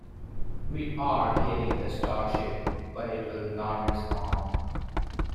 We are hailing the starship but it will not respond.